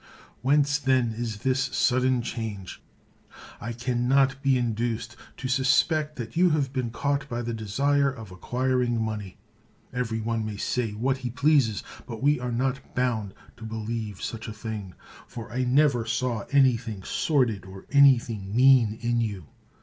Whence then is this sudden change? I can not be induced to suspect that you have been caught by the desire 164 CICERO of acquiring money ; every one may say what he pleases, but we are not bound to believe such a thing, for I never saw anything sordid or any thing mean in you.